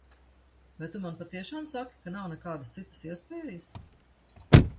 Vai tu man patiešām saki, ka nav nekādas citas iespējas?